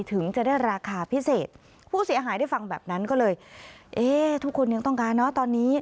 ถึงจะได้ราคาพิเศษผู้เสียหายได้ฟังแบบนั้นก็เลยเอ๊ะทุกคนยังต้องการเนอะตอนนี้